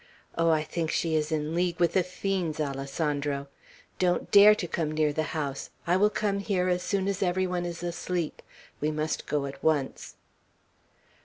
Oh, I think she is in league with the fiends, Alessandro! Don't dare to come near the house; I will come here as soon as every one is asleep. We must go at once."